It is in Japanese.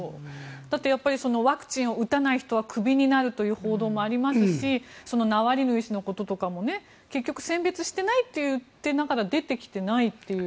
だってやっぱりワクチンを打たない人はクビになるという報道もありますしナワリヌイ氏のこととかも結局、選別してないって言いながら出てきてないという。